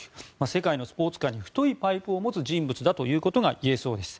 世界のスポーツ界に太いパイプを持つ人物だといえそうです。